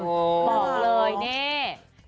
บอกเลยนี่